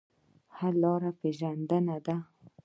حل لاره پېژندنه ده.